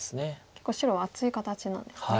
結構白は厚い形なんですね。